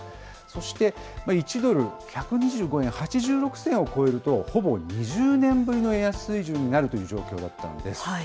そして１ドル１２５円８６銭を超えると、ほぼ２０年ぶりの円安水準になるという状況だったんです。